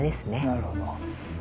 なるほど。